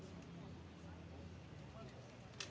สวัสดีครับทุกคน